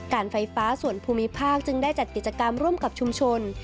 การไฟฟ้าส่วนภูมิภาคจึงได้จัดกิจกรรมร่วมกับชุมชน